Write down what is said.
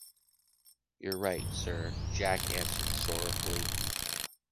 You’re right Sir, Jack answered sorrowfully.